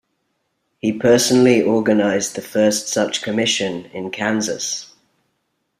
He personally organized the first such commission, in Kansas.